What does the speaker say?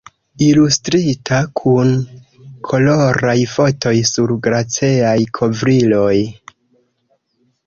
Ilustrita, kun koloraj fotoj sur glaceaj kovriloj.